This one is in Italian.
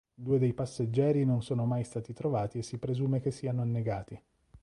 Due dei passeggeri non sono mai stati trovati e si presume che siano annegati.